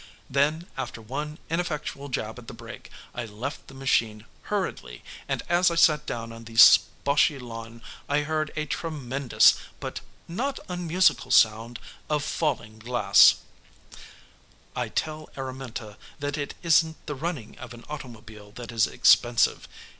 Then after one ineffectual jab at the brake, I left the machine hurriedly, and as I sat down on the sposhy lawn I heard a tremendous but not unmusical sound of falling glass I tell Araminta that it isn't the running of an automobile that is expensive.